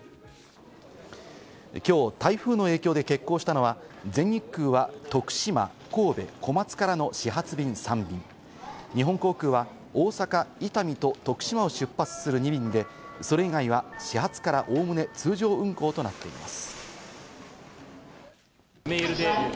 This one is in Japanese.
きょう、台風の影響で欠航したのは、全日空は徳島、神戸、小松からの始発便３便、日本航空は大阪・伊丹と徳島を出発する２便で、それ以外は始発からおおむね通常運行となっています。